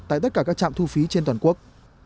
tại tất cả các trạm thu phí trên toàn quốc